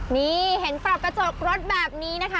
นี่เห็นปรับกระจกรถแบบนี้นะคะ